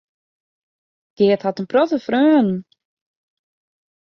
Geart hat in protte freonen.